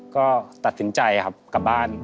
ก็ตัดสินใจครับกลับบ้าน